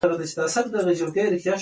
د نينګوَلۍ د غونډ د چرګو لکۍ کږې وي۔